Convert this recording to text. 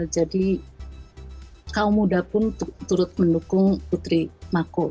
jadi kaum muda pun turut mendukung putri mako